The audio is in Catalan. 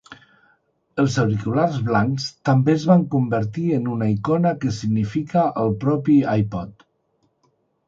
Els auriculars blancs també es van convertir en una icona que significa el propi iPod.